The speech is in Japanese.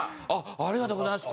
ありがとうございます。